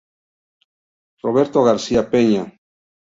Roberto García-Peña"".